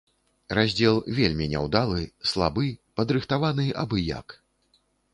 Раздзел вельмі няўдалы, слабы, падрыхтаваны абы як.